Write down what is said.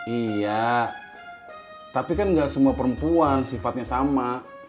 iya tapi kan nggak semua perempuan sifatnya sama